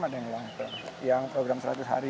ada yang long term yang program seratus hari